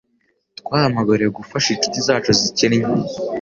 twahamagariwe gufasha inshuti zacu zikennye